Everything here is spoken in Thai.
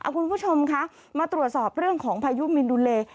คุณผู้ชมคะมาตรวจสอบเรื่องของพายุมินดุเล